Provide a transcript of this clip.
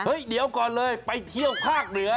เดี๋ยวก่อนเลยไปเที่ยวภาคเหนือ